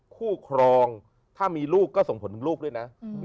ครองถ้ามีลูกก็ส่งผลถึงลูกด้วยนะ